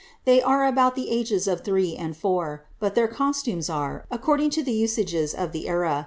They are about tlie as'es of three and four, but their costumes are, according to the usages of the era.